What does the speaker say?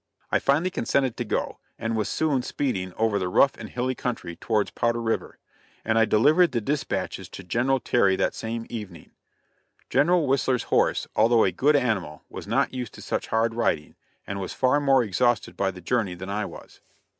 I finally consented to go, and was soon speeding over the rough and hilly country towards Powder river; and I delivered the dispatches to General Terry that same evening. General Whistler's horse, although a good animal, was not used to such hard riding, and was far more exhausted by the journey than I was.